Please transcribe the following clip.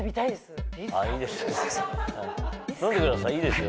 飲んでくださいいいですよ。